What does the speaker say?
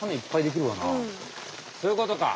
そういうことか。